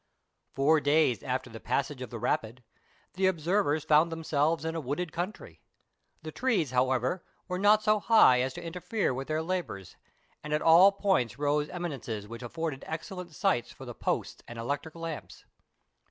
Four days after the passage of the rapid, the observers found themselves in a wooded country. The trees, how ever, were not so high as to interfere with their labours, and at all points rose eminences which afforded excellent sites for the posts and electric lamps.